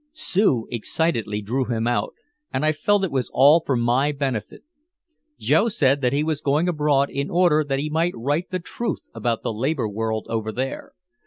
Sue excitedly drew him out, and I felt it was all for my benefit. Joe said that he was going abroad in order that he might write the truth about the labor world over there.